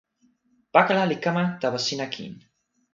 pakala li kama tawa sina kin.